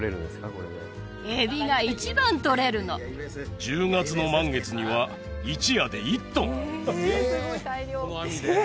これでエビが一番とれるの１０月の満月には一夜で１トンえっ？